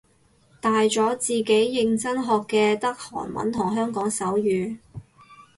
大咗自己認真學嘅得韓文同香港手語